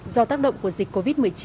do tác động của dịch covid một mươi chín